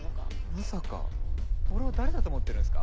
まさか俺を誰だと思ってるんすか？